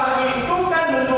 kamu dibayar oleh negara indonesia